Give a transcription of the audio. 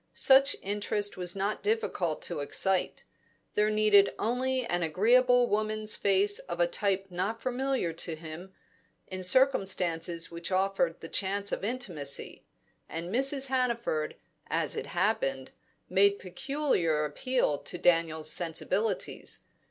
Such interest was not difficult to excite; there needed only an agreeable woman's face of a type not familiar to him, in circumstances which offered the chance of intimacy. And Mrs. Hannaford, as it happened, made peculiar appeal to Daniel's sensibilities.